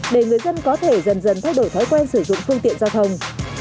để người dân có thể dần dần thay đổi thói quen sử dụng phương tiện giao thông